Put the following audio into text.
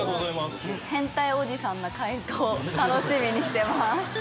変態おじさんな回答楽しみにしてまーす。